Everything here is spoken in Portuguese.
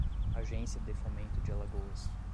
Agência de Fomento de Alagoas